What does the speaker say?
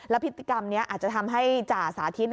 พฤติกรรมนี้อาจจะทำให้จ่าสาธิต